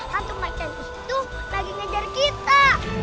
kantung macan itu lagi ngejar kita